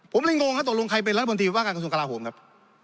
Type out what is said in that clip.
ผมเรียงงงนะตกลงใครเป็นรัฐบนทรีย์บิธีประกาศคุณสูงกะลาโหนครับ